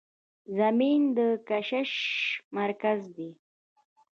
زمین د کشش مرکز دی.